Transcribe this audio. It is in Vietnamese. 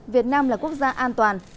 việt nam là quốc gia an toàn